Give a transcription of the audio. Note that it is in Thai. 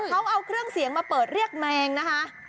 เขาเอาเครื่องเสียงมาเปิดเรียกแมงนะคะ